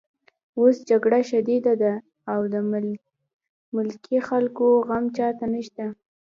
اوس جګړه شدیده ده او د ملکي خلکو غم چاته نشته